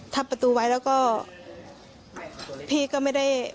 ประตูไว้แล้วก็พี่ก็ไม่ได้